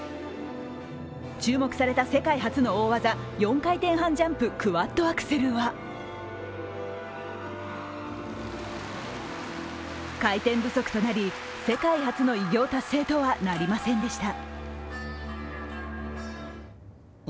注目された世界初の大技、４回転半ジャンプ、クワッドアクセルは回転不足となり世界初の偉業達成とはなりませんでした。